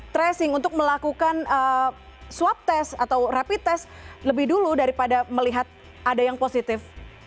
tracing untuk melakukan swab test atau rapid test lebih dulu daripada melihat ada yang positif